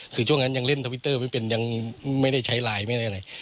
คือช่วงนั้นยังเล่นทวิตเตอร์ไม่เป็นยังไม่ได้ใช้ไลน์ไม่ได้อะไร